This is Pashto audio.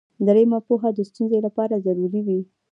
دریمه پوهه د ستونزې لپاره ضروري وي.